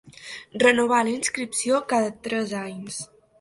Renovar la inscripció cada tres anys.